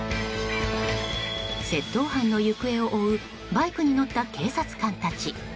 窃盗犯の行方を追うバイクに乗った警察官たち。